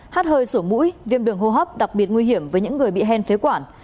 hát hơi sổ mũi viêm đường hô hấp đặc biệt nguy hiểm với những người bị hen phế quản